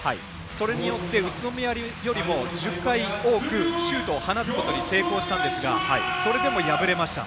それによって宇都宮よりも１０回多くシュートを放つことに成功したんですがそれでも敗れました。